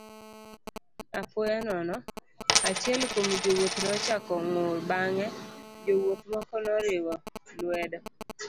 Apoya nono achiel kuom jowuoth nochako ng'ur bang'e jowuoth moko noriwe lwedo.